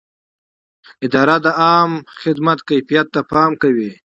اداره د عامه خدمت کیفیت ته پام کوي.